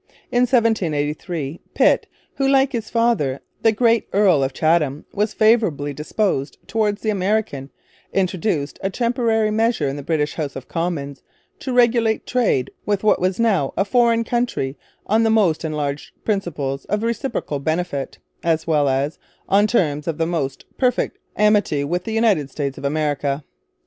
In 1783 Pitt, who, like his father, the great Earl of Chatham, was favourably disposed towards the Americans, introduced a temporary measure in the British House of Commons to regulate trade with what was now a foreign country 'on the most enlarged principles of reciprocal benefit' as well as 'on terms of most perfect amity with the United States of America.'